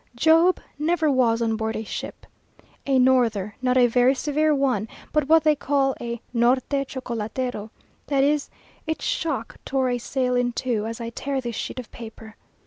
Job never was on board a ship. A norther, not a very severe one, but what they call a Norte chocolatero, that is, its shock tore a sail in two, as I tear this sheet of paper.